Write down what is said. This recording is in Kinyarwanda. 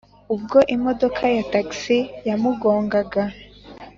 ubwo imodoka ya taxi yamugongaga